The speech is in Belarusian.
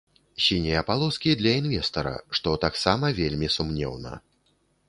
Сінія палоскі для інвестара, што таксама вельмі сумнеўна.